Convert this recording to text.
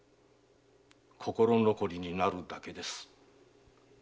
心残りになるだけです。